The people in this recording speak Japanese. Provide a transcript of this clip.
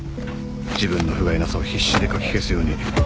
自分のふがいなさを必死でかき消すように。